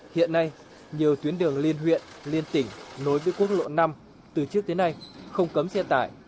hiện nay nhiều tuyến đường liên huyện liên tỉnh nối với quốc lộ năm từ trước tới nay không cấm xe tải